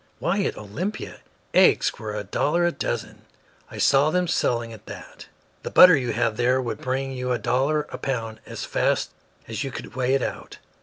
"Why, at Olympia, eggs were a dollar a dozen. I saw them selling at that. The butter you have there would bring you a dollar a pound as fast as you could weigh it out.